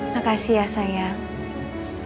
makasih ya sayang